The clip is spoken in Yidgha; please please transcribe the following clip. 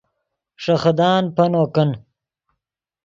ݰے خدان پینو کن